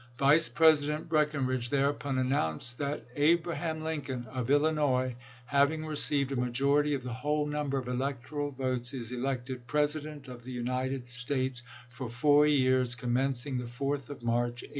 Vice President Breckinridge thereupon announced that "Abraham Lincoln, of Illinois, having received a majority of the whole number of electoral votes, is elected President of the United "Globe," States for four years commencing the 4th of March, 1861."